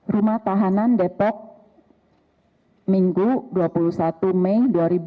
rumah tahanan depok minggu dua puluh satu mei dua ribu dua puluh